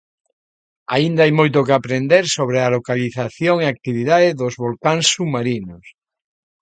Aínda hai moito que aprender sobre a localización e actividade dos volcáns submarinos.